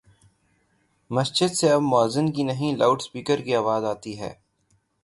مسجد سے اب موذن کی نہیں، لاؤڈ سپیکر کی آواز آتی ہے۔